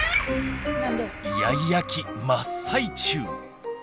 イヤイヤ期真っ最中！